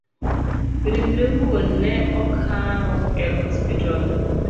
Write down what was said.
Ringre wuon ne okawo e osiptal